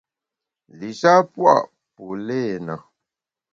Li-sha pua’ polena.